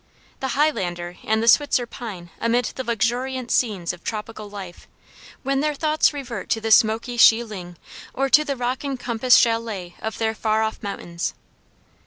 The Highlander and the Switzer pine amid the luxuriant scenes of tropical life, when their thoughts revert to the smoky shieling or to the rock encompassed chalet of their far off mountains.